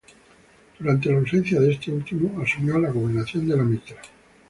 Durante la ausencia de este último asumió la gobernación de la mitra.